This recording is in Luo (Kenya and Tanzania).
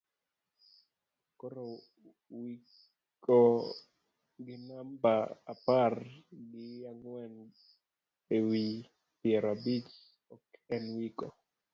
korowikoginambaapar gi ang'wen e wi piero abich ok en wiko